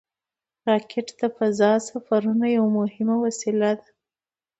راکټ د فضا د سفرونو یوه مهمه وسیله ده